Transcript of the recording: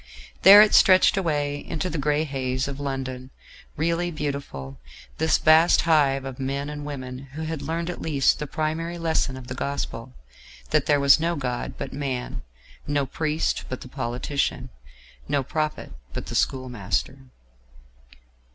There it stretched away into the grey haze of London, really beautiful, this vast hive of men and women who had learned at least the primary lesson of the gospel that there was no God but man, no priest but the politician, no prophet but the schoolmaster.